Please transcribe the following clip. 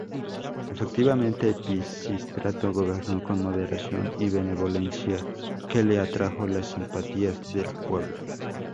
Efectivamente Pisístrato gobernó con moderación y benevolencia, que le atrajo las simpatías del pueblo.